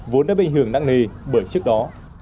vốn đã bị hưởng nặng nề bởi trước đó